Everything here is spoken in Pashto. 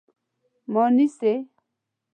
_ما نيسئ؟